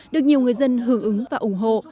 được nhiều người dân hưởng ứng và ủng hộ